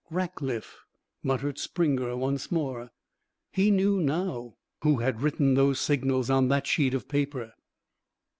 "Rackliff!" muttered Springer once more. He knew now who had written those signals on that sheet of paper.